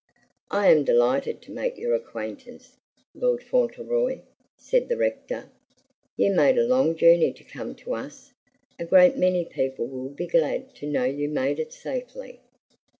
"I am delighted to make your acquaintance, Lord Fauntleroy," said the rector. "You made a long journey to come to us. A great many people will be glad to know you made it safely."